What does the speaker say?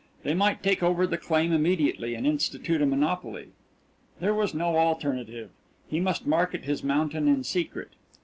They might take over the claim immediately and institute a monopoly. There was no alternative he must market his mountain in secret.